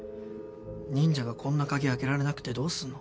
忍者がこんな鍵開けられなくてどうすんの。